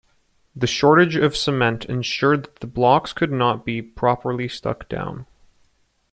The shortage of cement ensured that the blocks could not be properly stuck down.